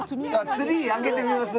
ツリー開けてみます？